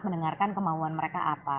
mendengarkan kemauan mereka apa